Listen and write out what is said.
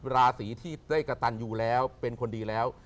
ราศีที่ได้กระตันอยู่แล้วเป็นคนดีแล้ว